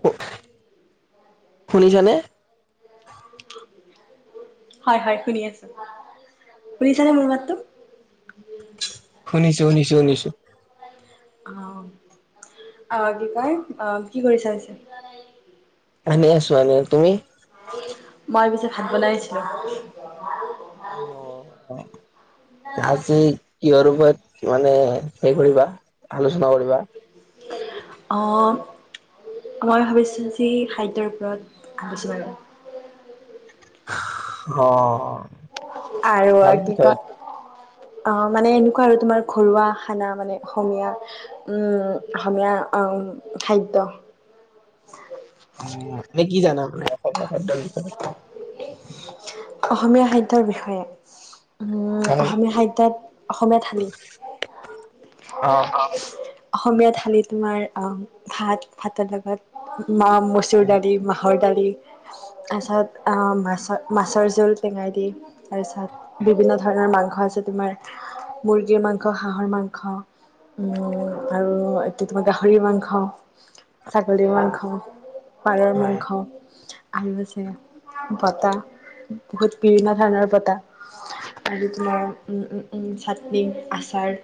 শো-শুনিছানে। হয়-হয় শুনি আছো, শুনিছানে মোৰ মাতটো। শুনিছো, শুনিছো- শুনিছো। অঁ-অঁ কি কয়, অঁ যি কৰিছা [unintelligible] এনে আছো এনে, তুমি। মই পিছে ভাত বনাইছিলোঁ। অঁ, আজি কিহৰ উপৰত মানে হেৰি কৰিবা আলোচনা কৰিবা। অঁ, মই ভাবিছোঁ আজি খাদ্যৰ ওপৰত আলোচনা কৰোঁ। অঁ। আৰু কি কয় অঁ মানে এনেকুৱা আৰু তোমাৰ ঘৰুৱা খানা মানে অসমীয়া উম অসমীয়া অম খাদ্য উম, মানে কি জানা মানে। [unintelligible] খাদ্যৰ বিষয়ে। অসমীয়া সাহিত্যৰ বিষয়ে উম হয়। অসমীয়া সাহ্যয়ত অসমীয়া থঠালি অ অসমীয়া থালি তোমাৰ ভাত ভাতৰ লগত মা মচুৰ দালি মাহৰ দালি ই তাৰপিছত মাছ মাছৰ জোল টেঙাই দি তাৰপিছত বিভিন্ন ধৰণৰ মাংস আছে তোমাৰ মুৰ্গীৰ মাংস, হাঁহৰ মাংস, উম আৰু এয়া তোমাৰ গাহৰি মাংস ছাগলীৰ মাংস, পাৰৰ হয়। মাংস আৰু আছে বটাহ বহুত বিভিন্ন ধৰণৰ বটাহ আৰু তোমাৰ চাটনি, আচাৰ,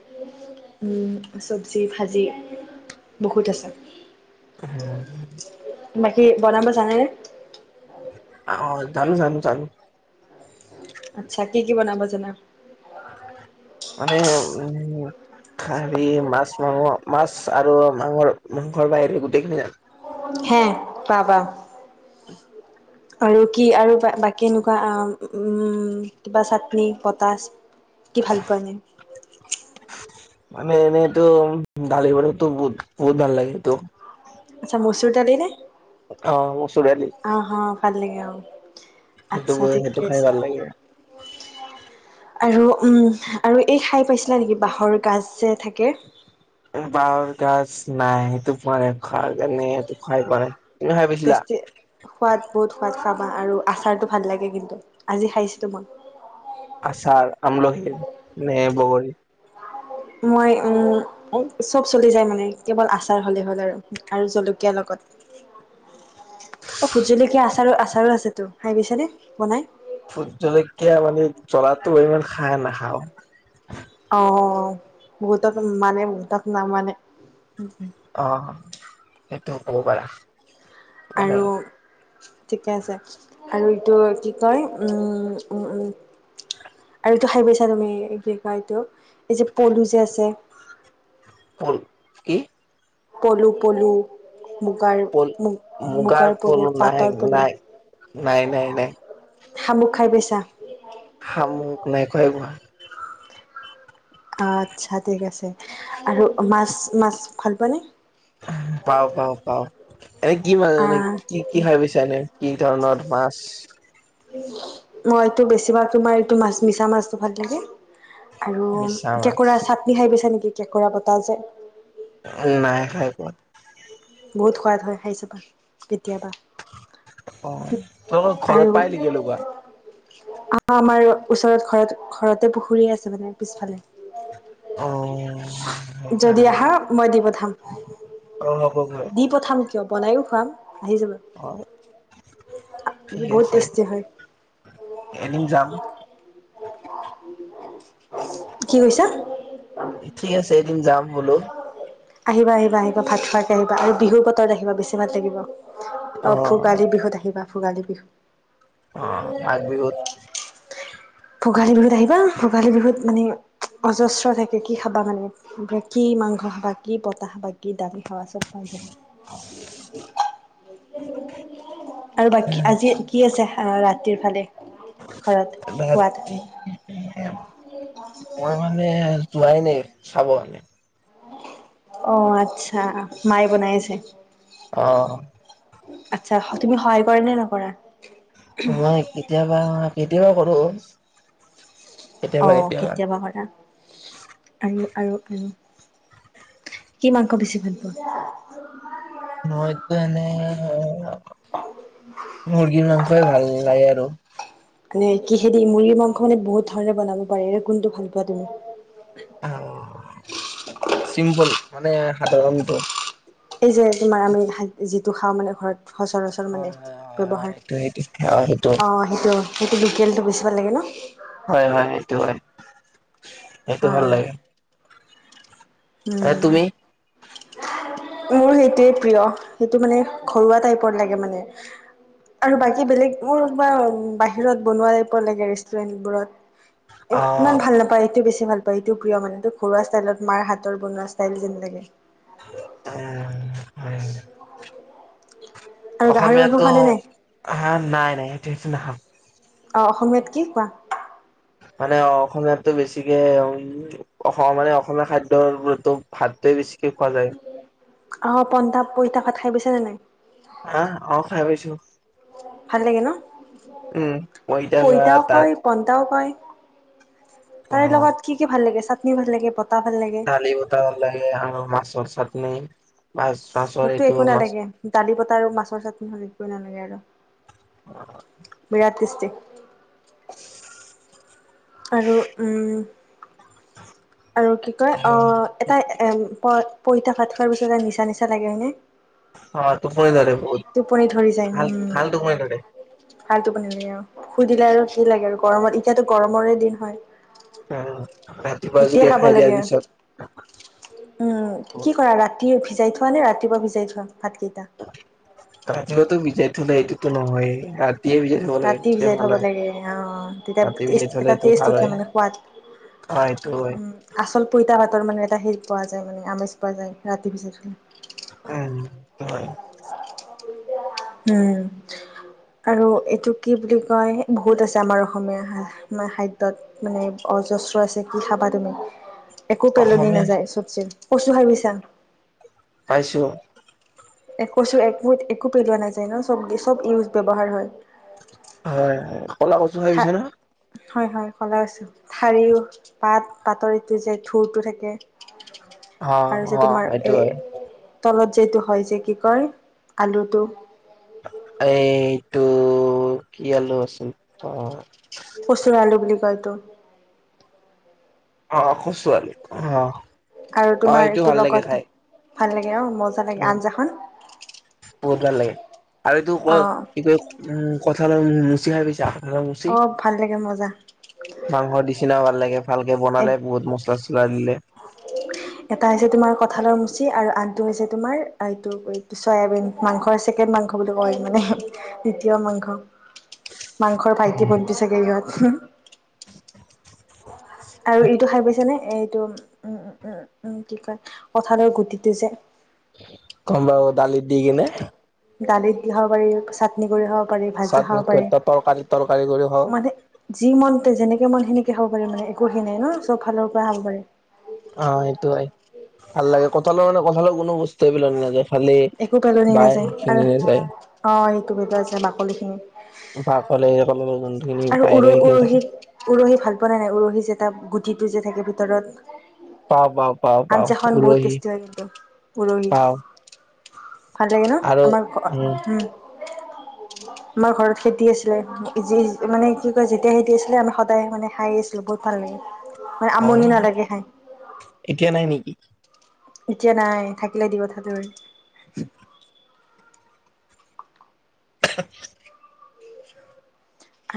চব্জি ভাজি বহুত আছে। হম বাকি বনাব জানেনে? অঁ জানো জানো জানো। আচ্ছা, কি কি বনাব জানা? মানে উম সাৰি মাছ মাংস, মাছ আৰু মাঙৰ মাংসৰ বাহিৰে গোটেইখিনি আন হে বা বা আৰু কি আৰু বাকী এনেকুৱা উম কিবা চাটনি পটাচ কি ভাল পোৱা এনে মানে এনেইতো দালি বৰতো বহুত বহুত ভাল লাগে এইটো আচ্ছা মচুৰ দালি নে অ মচুৰ দালি অ অ ভাল লাগে অ সেইটো আচ্ছা হয় সেইটো ঠিকে খাই আছে ভাল লাগে আৰু উম আৰু এই খাই পাইছিলা নেকি বাঁহৰ গাজ যে থাকে বাঁহৰ গাজ নাই সেইটো পোৱা নাই খাৰ কাৰণে এটো খাই পোৱা নাই তুমি খাই পাইছিলা, টেষ্টি সোৱাদ বহুত সোৱাদ খাবা আৰু আচাৰটো ভাল লাগে কিন্তু আজি খাইছিলো মই আমলখী নে বগৰি মই উম চব চলি যায় মানে কেৱল আচাৰ হলেই হ'ল আৰু আৰু জলকীয়া লগত অ ভূট জলকীয়া আচাৰো আচাৰো আছেতো খাই পাইচানে নে বনাই ভূট জলকীয়া মানে জ্বলাটো ইমান খাই নাখাওঁ অ বহুতক মানে বহুতক নামানে উম হুম অ সেইটো ক'ব পাৰা মানে আৰু ঠিকে আছে আৰু এইটো কি কয় উম উ উম আৰু এইটো খাই পাইচা তুমি কি কয় এইটো এই যে পলু যে আছে পল কি পলু পলু মুগাৰ পলু মু মুগাৰ পলু নাই নাই নাই নাই নাই। শামুক খাই পাইছা? শামুক নাই খোৱাই পোৱা আচ্ছা ঠিক আছে আৰু মাছ মাছ ভাল পোৱা নে? পাওঁ পাওঁ পাওঁ এনেই কি মাছ মানে আহ কি কি খাই পিছা এনে কি ধৰণৰ মাছ মইটো বেছিভাগ তোমাৰ এইটো মাছ মিছা মাছটো ভাল লাগে। আৰু মিছা মাছ কেঁকোৰা চাটনি খাই পাইছা নেকি? কেঁকোৰা পতা যে। নাই খাই পোৱা। বহুত সোৱাদ হয়, খাই চাবা। কেতিয়াবা অ' তোমোলোকৰ ঘৰত পাই নেকি এনেকুৱা? আহ, আমাৰ ওচৰত ঘৰত ঘৰতে পুখুৰী আছে মানে পিছফালে। অ'হ। যদি আহা, মই দি পঠাম। অ', হ'বগৈ [inaudible] দি পঠাম কিয়, বনাইয়ো খুৱাম। আহি যাবা অ' ঠিক বহুত আছে, টেষ্টি হয় এদিন যাম। কি কৈছা? ঠিক আছে, এদিন যাম। বোলো। আহিবা আহিবা আহিবা ভাত খোৱাকে আহিবা আৰু বিহুৰ বতৰত আহিবা বেছি ভাত লাগিব অ ভোগালী বিহুত আহিবা ভোগালী বিহুত অ মাঘ বিহুত ভোগালী বিহুত আহিবা ভোগালী বিহুত মানে অজস্ৰ থাকে কি খাবা মানে কি মাংস খাবা কি পতাহ খিবা কি দাম খবা চব পাই যাবা [inaudible] আৰু বাকী আজি কি আছে ৰাতিৰ ফালে ঘৰত খোৱাত ৰাতি মই মানে যোৱাই নাই চাব কাৰণে অ আচ্ছা মায়ে বনাই আছে অ আচ্ছা তুমি সহায় কৰে নে নকৰা নহয় কেতিয়াবা দিব পাৰোঁ। অ' কেতিয়াবা [unintelligible] আৰু আৰু আৰু কি মাংস বেছি ভাল পোৱা? মইতো এনেই, মুৰ্গীৰ মাংসই ভাল লাগে আৰু। মানে কিহেদি মুৰ্গী মাংস মানে বহুত ধৰণে বনাব পাৰে, এতিয়া কোনটো ভাল পোৱা তুমি? আহ চিম্পল, মানে হাতৰ কামটো। এই যে তোমাৰ আমি [unintelligible] সেইটো খাওঁ মানে ঘৰত। সচৰাচৰ মানে, হয়, হয়, হয়, ব্যৱহাৰ, হয়। সেইটো সেইটো সেইটো অ', সেইটো-সেইত লোকেলটো বেছি ভাল লাগে ন? হয় হয় সেইটো হয়। সেইটো ভাল হয় লাগে। এ উম। তুমি মোৰ সেইটোৱে প্ৰিয়, সেইটো মানে ঘৰুৱা টাইপৰ লাগে মানে, আৰু বাকী বেলেগ মোৰ বা বাহিৰত বনোৱা টাইপৰ লাগে ৰেষ্টুৰেন্টবোৰত। আহ ইমান ভাল নাপায় এইটো বেছি ভাল পায় এইটো প্ৰিয় মানে, এইটো ঘৰুৱা ষ্টাইলত মাৰ হাত ৰ বনোৱা ষ্টাইল যেন লাগে। উম। হয়। আৰু গাহৰি মাংস অসমীয়াটো, খোৱা নে নাই? আহা নাই নাই, সেইটো নাহা। অ' অসমীয়াত কি কোৱা? মানে অসমীয়াতটো বেছিকে উম অস মানে অসমীয়া খাদ্যৰ গুৰুত্ব ভাতটোৱে বেছিকে খোৱা যায়। আহ পনটা পইতা ভাত খাই পাইছানে নাই‌? হাঁ, অঁ খাই পাইছো ভাল লাগে ন? উম পইটা পইতাও তাত কয় পন্তাও কয়। অ তাৰে লগত কি কি ভাল লাগে চা কি ভাল লাগে? ভাল লাগে। দালি বতাহ ভাল লাগে আৰু মাছৰ চাট নে? মোকতো একো নালাগে, দালি বত আৰু মাছৰ চাটনি হ'লে একো নালাগে আৰু। অ' বিৰাত টেষ্টি। আৰু উম আৰু কি কয়, অ' এটা এম পত পইতা ভাত খোৱাৰ পািছত এটা নিচা নিচা লাগে, হয়নে? অ তোপনি ধৰে দে টোপনি ধৰি যায় বহুত ভাল উম ভাল টোপনি ধৰে ভাল টোপনি ধৰে আৰু শুই দিলে আৰু কি লাগে আৰু গৰমত এতিয়াতো গৰমৰে দিন হয়। অ ৰাতিপুৱা এতিয়া যদি খাব খাই দিয়াৰ লাগে উম পিছত কি কৰা ৰাতি উফিছ যাই থোৱা নে ৰাতিুৱা ভি যাই থোৱা ভাতকেইটা ততিিওতো বিচাৰি লাগে ৰাতি তেতিয়া ভিজাই ভাল থব হয়। লাগে অ ৰাতি তেতিয়া ভিজাই এটা থলেটো টেষ্ট ভাল উঠে হয় মানে সোৱাদ অ এইটো হয় উ আচল পইতা ভাতৰ মানে এটা সেই পোৱা যায় মানে আমেজ পোৱা যায় ৰাতি ভিজাই থলে উম হয় উম আৰু এইটো কি বুলি কয় বহুত আছে আমাৰ অসমীয়া খাদ্যত মানে অজস্ৰ আছে কি খাবা তুমি একো পেলনি অসমীয়া নাযায় চবচিৰ কচু ভাবিছা পাইছো কচু একো একো পেলোৱা নাযায় ন চব চব ইউজ ব্য্ৱহাৰ হয় হয় হয় ক'লা কচু খাই থা পাইছা না হয় হয় কৰা কচু ঠাৰিও পাত বাতৰ এইটো যে থুৰটো থাকে অঁ আৰু যে অঁ তোমাৰ এ সেইটো হয় তলত যিটো হয় যে কি কয় আলুটো এইটো কি আলো আছিল অ কচচু আলো বুলি কয় এইটো অ কচু আলু অ আৰু তোমাৰ এইটো লগত ভাল লাগে অ মজা লাগে উ আঞ্জাখন বহুত ভাল লাগে আৰু এইটো ক অ কি কয় উ কথাাল মিচিং খাই পিছা মুচি অ ভাল লাগে মজা মাংস নিচিনাও ভাল লাগে ভালকে বনালে বহুত মছলা চছলা দিলে এটা হৈছে তোমাৰ কঠালৰ মুচি আৰু আনটো হৈছে তোমাৰ এইটো এই চয়াবিন মাংসৰ ছেকেণ্ড মাংস বুলি কয় মানে দ্বিতীয় মাংস মাংসৰ ভাইটি উম ভন্তি চাগে ইহতঁ [unintelligible] [unintelligible] আৰু এইটো খাই পাইছে নে এইটো উম উম উ কি কয় কঠালৰ গুটিটো যে কমব দালিত দি কিনে দালিত দি হক পাৰি চাটনি কৰি হওক পাৰি ভাজি চাটনি খাব পাৰি তৰকাৰী তৰকাৰী কৰি খাওঁ মানে যি মনতে যেনে যিমানখিনিকে হব পাৰে মানে একো হেই নাই ন চব ফালৰ পৰা খাৱ পাৰে অ সেইটো ভাল লাগে কঠাল মানে কঠাল কোনো বস্তু এইবাক নাযায় ফালে একো পেলনি বায় সেইখিনিয়ে যায় ভিতৰত যে আছে বাকলিখিনি বা কলে কলৰ যোনখিনি আৰু বাহিৰ উৰ সেইখিনি থাকে উৰহিত উৰহি ভাল পোৱা নাই নাই উৰহি যে এটা গ যিটো যে থাকে ভিতৰত পাও পাও পাও পাও আঞ্জাখন বহুত উৰহি টেষ্টি হয় কিন্তু উৰহি পাও। [unintelligible] ভাল লাগে ন আৰু আমাৰ উম আমাৰ ঘৰত খেতি আছিলে যি মানে কি কয় যেতিয়া খেতি আছিলে আমি সদায় মানে খাই আছিলো বহুত ভাল লাগে। মানে অ, আমনি নালাগে খাই এতিয়া নাই নেকি? এতিয়া নাই থাকিলে দি পঠালোঁ হয়। [unintelligible]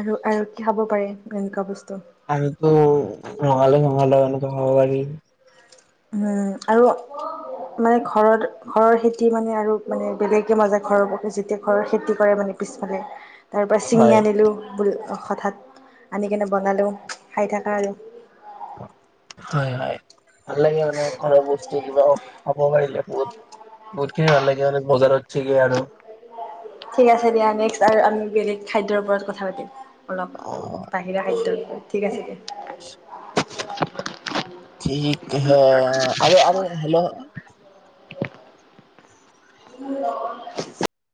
আৰু-আৰু কি খাব পাৰে এনেকুৱা বস্তু? আৰুতো ৰঙালাও চঙালাও এনেকুৱা খাব পাৰি। উম, আৰু মানে ঘৰত ঘৰৰ খেতি মানে আৰু মানে বেলেগে মজা ঘৰৰ যেতিয়া ঘৰৰ খেতি কৰে মানে পিছফালে তাৰ পৰা চিঙি হয় আনিলোঁ বোল অ হঠাৎ আনিকনে বনালেও খাই থাকা আৰু। হয়-হয় ভাল লাগে মানে ঘৰৰ বস্তু কিবা খাব পাৰিলে বহুত-বহুত খিনি ভাল লাগে আৰু বজাৰত চেগে আৰু। ঠিক আছে দিয়া নেক্সট আৰু আমি বেলেগ খাদ্যৰ ওপৰত কথা পাতিম। অলপ অ, বাহিৰা খাদ্যৰ ওপৰত ঠিক আছে দিয়া ঠিক হে অ, আৰু-আৰু হেল্ল', [unintelligible]